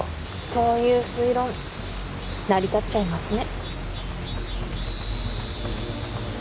そういう推論成り立っちゃいますね